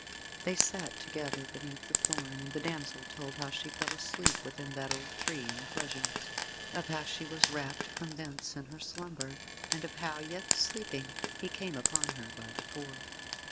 Then they sat together beneath the thorn, and the damsel told how she fell asleep within that old tree in the pleasaunce, of how she was rapt from thence in her slumber, and of how, yet sleeping, he came upon her by the Ford.